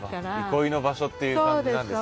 憩いの場所っていう感じなんですか。